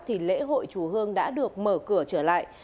thì lễ hội chùa hương đã được mở cửa trở lại